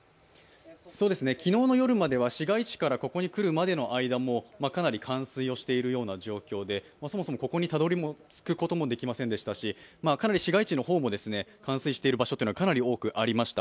昨日の夜までは市街地からここに車での間もかなり冠水をしているような状況でそもそもここにたどり着くこともできませんでしたしかなり市街地の方も冠水している場所がかなり多くありました。